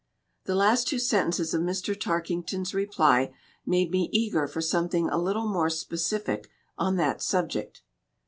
The last two sentences of Mr. Tarkington's reply made me eager for something a little more specific on that subject.